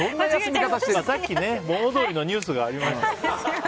さっき盆踊りのニュースがありましたからね。